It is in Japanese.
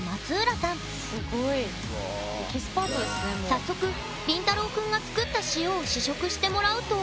早速りんたろうくんが作った塩を試食してもらうと。